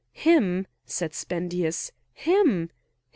"Him!" said Spendius. "Him!